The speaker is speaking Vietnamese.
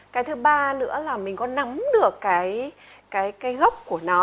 cái thứ ba nữa là mình có nắm được cái gốc của nó